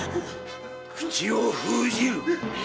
口を封じる！